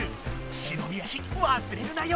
忍び足わすれるなよ！